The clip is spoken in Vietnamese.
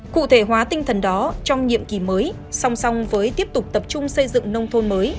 cụ thể hóa tinh thần đó trong nhiệm kỳ mới song song với tiếp tục tập trung xây dựng nông thôn mới